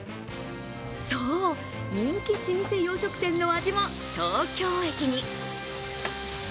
そう、人気老舗洋食店の味も東京駅に。